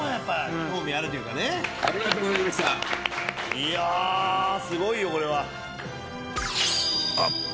い筺すごいよこれは。